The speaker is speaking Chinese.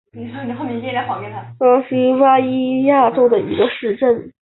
莫尔帕拉是巴西巴伊亚州的一个市镇。